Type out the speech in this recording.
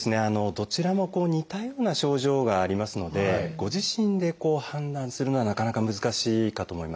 どちらも似たような症状がありますのでご自身で判断するのはなかなか難しいかと思います。